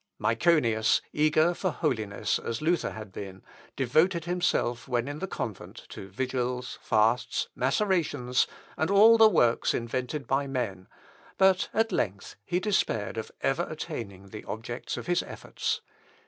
Myconius, eager for holiness as Luther had been, devoted himself when in the convent to vigils, fasts, macerations, and all the works invented by men; but at length he despaired of ever attaining the objects of his efforts.